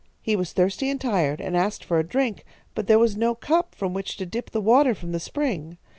"He was thirsty and tired, and asked for a drink, but there was no cup from which to dip the water from the spring.